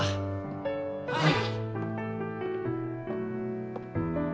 はい。